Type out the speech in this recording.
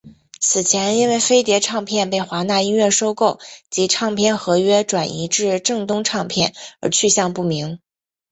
此前因为飞碟唱片被华纳音乐收购及唱片合约转移至正东唱片而去向不明。